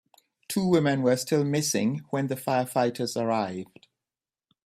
Two women were still missing when the firefighters arrived.